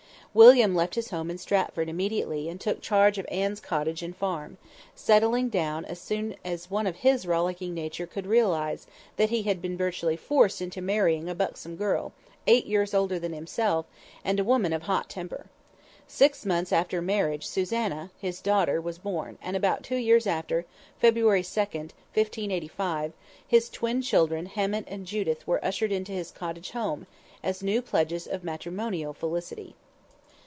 William left his home in Stratford immediately and took charge of Anne's cottage and farm, settling down as soon as one of his rollicking nature could realize that he had been virtually forced into marrying a buxom girl, eight years older than himself, and a woman of hot temper. Six months after marriage Susanna, his daughter was born, and about two years after, February 2d, 1585, his twin children Hammet and Judith were ushered into his cottage home, as new pledges of matrimonial felicity.